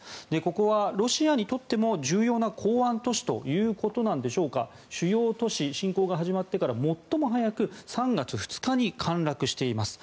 ここはロシアにとっても重要な港湾都市ということなんでしょうか主要都市、侵攻が始まってから最も早く３月２日に陥落しています。